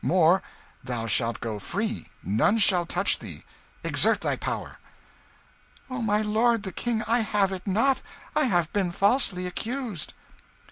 More thou shalt go free none shall touch thee. Exert thy power." "Oh, my lord the King, I have it not I have been falsely accused."